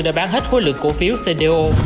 đã bán hết khối lượng cổ phiếu cdo